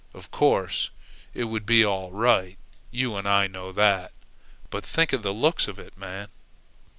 Of course, it would be all right you and I know that; but think of the looks of it, man!"